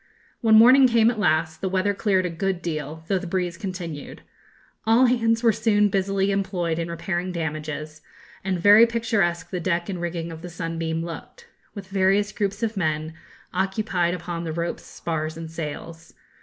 When morning came at last, the weather cleared a good deal, though the breeze continued. All hands were soon busily employed in repairing damages; and very picturesque the deck and rigging of the 'Sunbeam' looked, with the various groups of men, occupied upon the ropes, spars, and sails.